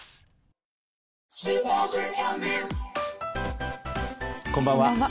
こんばんは。